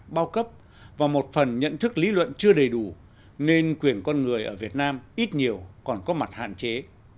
bao cấp và một phần nhận thức lý luận chưa đầy đủ nên quyền con người ở việt nam ít nhiều còn có mặt hạn chế